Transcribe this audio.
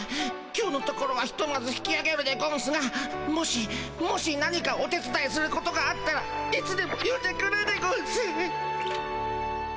今日のところはひとまず引きあげるでゴンスがもしもし何かお手つだいすることがあったらいつでもよんでくれでゴンス。